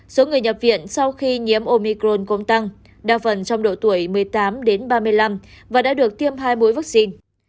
số người nhập viện sau khi nhiễm omicron cũng tăng đa phần trong độ tuổi một mươi tám đến ba mươi năm và đã được tiêm hai mũi vaccine